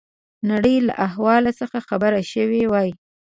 نړۍ له احوال څخه خبر شوي وای.